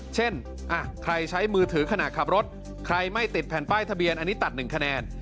เช่นใครใช้มือถือขณะขับรถใครไม่ติดแผ่นป้ายทะเบียนอันนี้ตัด๑คะแนน